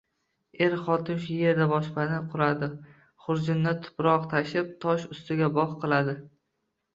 Eru xotin shu yerda boshpana quradi, xurjunda tuproq tashib, tosh ustida bogʼ qiladi.